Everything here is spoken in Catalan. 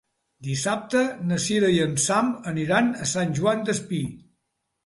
Dissabte na Sira i en Sam aniran a Sant Joan Despí.